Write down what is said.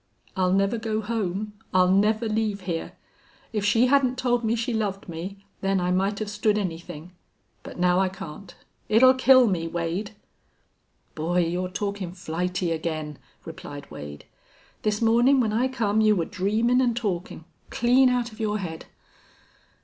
I'll never go home. I'll never leave here. If she hadn't told me she loved me then, I might have stood anything. But now I can't. It'll kill me, Wade." "Boy, you're talkin' flighty again," replied Wade. "This mornin' when I come you were dreamin' an' talkin' clean out of your head....